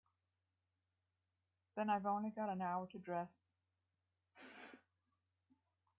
Then I've only got an hour to dress.